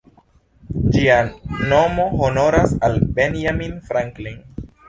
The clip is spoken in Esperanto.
Ĝia nomo honoras al Benjamin Franklin.